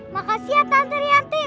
makasih ya tante rianti